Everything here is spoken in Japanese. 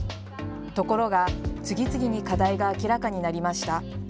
ところが次々に課題が明らかになりました。